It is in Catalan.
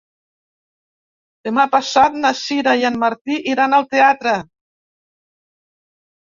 Demà passat na Sira i en Martí iran al teatre.